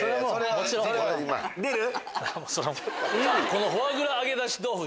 このフォアグラあげだし豆腐。